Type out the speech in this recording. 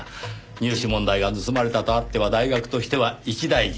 入試問題が盗まれたとあっては大学としては一大事。